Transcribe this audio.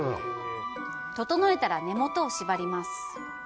整えたら根元を縛ります。